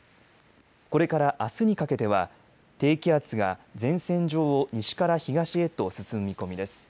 これからあすにかけては低気圧が前線上を西から東へと進む見込みです。